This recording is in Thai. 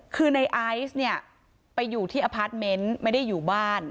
คือในไอซ์เนี่ยไปอยู่ที่อพาร์ทเมนต์ไม่ได้อยู่บ้าน